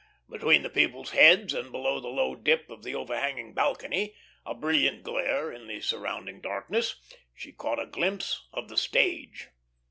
Between the peoples' heads and below the low dip of the overhanging balcony a brilliant glare in the surrounding darkness she caught a glimpse of the stage.